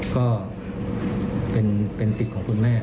ก็เป็นสิทธิ์ของคุณแม่